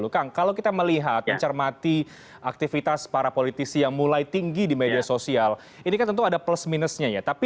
kang kalau kita melihat mencermati aktivitas para politisi yang mulai tinggi di media sosial ini kan tentu ada plus minusnya ya